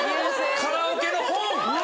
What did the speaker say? カラオケの本！